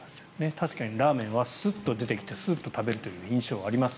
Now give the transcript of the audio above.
確かにラーメンはすっと出てきてすっと食べるという印象があります。